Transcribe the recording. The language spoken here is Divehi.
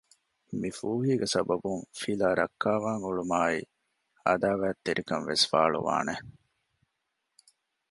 މި ފޫހީގެ ސަބަބުން ފިލާ ރައްކާވާން އުޅުމާއި ޢަދާވާތްތެރިކަން ވެސް ފާޅުވާނެ